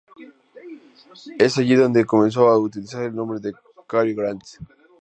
Es allí donde comenzó a utilizar el nombre de "Cary Grant".